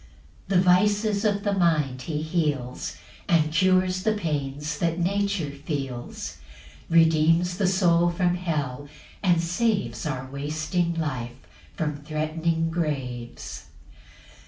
4 The vices of the mind he heals, And cures the pains that nature feels; Redeems the soul from hell, and saves Our wasting life from threat'ning graves.